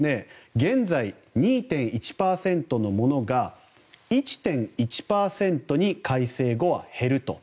現在、２．１％のものが１．１％に改正後は減ると。